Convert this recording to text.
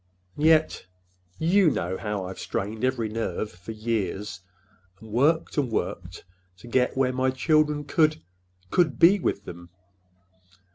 And yet—you know how I've strained every nerve for years, and worked and worked to get where my children could—could be with them!"